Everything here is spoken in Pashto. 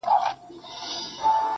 • سیاه پوسي ده، خاوري مي ژوند سه.